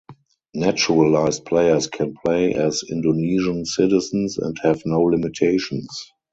Naturalized players can play as Indonesian citizens and have no limitations.